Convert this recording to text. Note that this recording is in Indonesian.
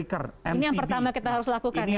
ini yang pertama kita harus lakukan ya